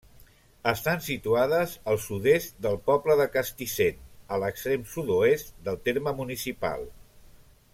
Estan situades al sud-est del poble de Castissent, a l'extrem sud-oest del terme municipal.